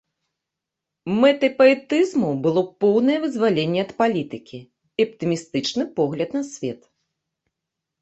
Мэтай паэтызму было поўнае вызваленне ад палітыкі і аптымістычны погляд на свет.